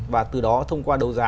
và từ đó thông qua đấu giá